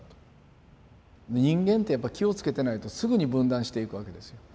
人間ってやっぱ気をつけてないとすぐに分断していくわけですよ。